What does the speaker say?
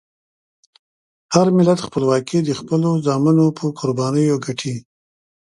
هر ملت خپلواکي د خپلو زامنو په قربانیو ګټي.